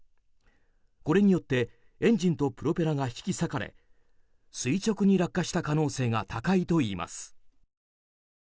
これによってエンジンとプロペラが引き裂かれ垂直に落下した可能性が高いといいます。